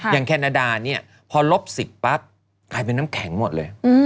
แคนาดาเนี่ยพอลบ๑๐ปั๊บกลายเป็นน้ำแข็งหมดเลย